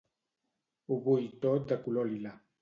Ho vull tot de color lila